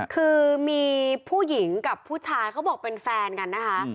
คือมีผู้หญิงกับผู้ชายเขาบอกเป็นแฟนกันนะคะ